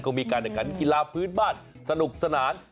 เขามีการกันกีฬาพืชบ้านสนุกสนาน